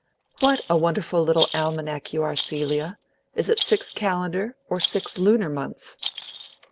"What a wonderful little almanac you are, Celia! Is it six calendar or six lunar months?"